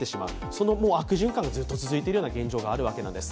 その悪循環がずっと続いているような現状もあるわけです。